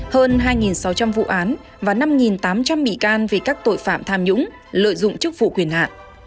hơn hai sáu trăm linh vụ án và năm tám trăm linh bị can về các tội phạm tham nhũng lợi dụng chức vụ quyền hạn